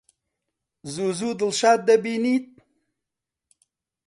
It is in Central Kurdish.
زوو زوو دڵشاد دەبینیت؟